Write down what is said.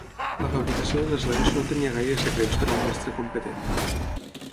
La fabricació de les lents no tenia gaires secrets per a un mestre competent.